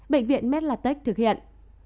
bệnh viện medlatech thực hiện